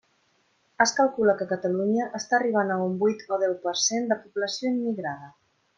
Es calcula que Catalunya està arribant a un vuit o deu per cent de població immigrada.